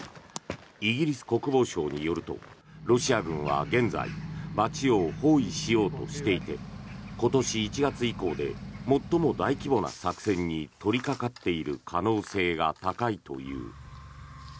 イギリス国防省によるとロシア軍は現在街を包囲しようとしていて今年１月以降で最も大規模な作戦に取りかかっている可能性が高いという。